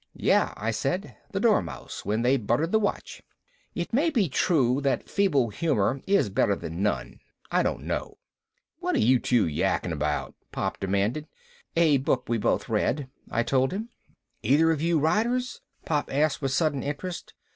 "Yeah," I said. "The Dormouse, when they buttered the watch." It may be true that feeble humor is better than none. I don't know. "What are you two yakking about?" Pop demanded. "A book we both read," I told him. "Either of you writers?" Pop asked with sudden interest.